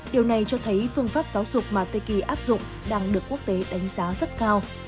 điều này cho thấy phương pháp giáo dục mà teki áp dụng đang được quốc tế đánh giá rất cao